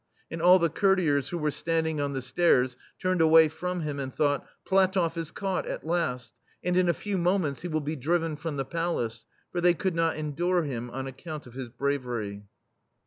And all the courtiers who were stand ing on the stairs turned away from him and thought : "PlatofF is caught, at last, and in a few moments he will be driven from the palace," — for they could not endure him on account of his bravery.